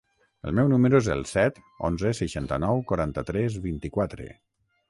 El meu número es el set, onze, seixanta-nou, quaranta-tres, vint-i-quatre.